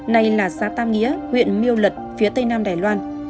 nay là xã tam nghĩa huyện miêu lật phía tây nam đài loan